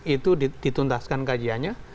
itu dituntaskan kajiannya